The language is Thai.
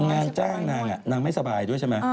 งานจ้างนางนางไม่สบายด้วยใช่ไหม